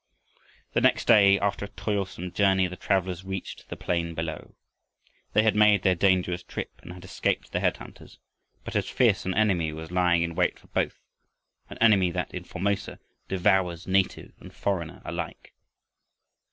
The next day, after a toilsome journey, the travelers reached the plain below. They had made their dangerous trip and had escaped the head hunters, but as fierce an enemy was lying in wait for both, an enemy that in Formosa devours native and foreigner alike.